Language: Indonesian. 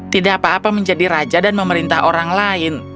tidak apa apa menjadi raja dan memerintah orang lain